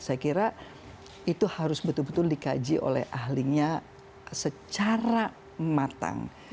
saya kira itu harus betul betul dikaji oleh ahlinya secara matang